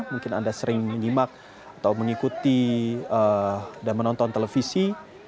mungkin anda sering menyimak atau mengikuti dan menonton televisi